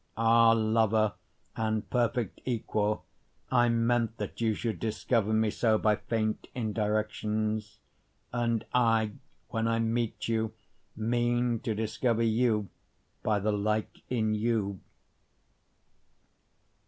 Ah lover and perfect equal, I meant that you should discover me so by faint indirections, And I when I meet you mean to discover you by the like in you.